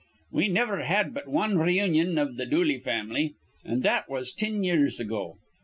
"We niver had but wan reunion iv th' Dooley fam'ly, an' that was tin years ago.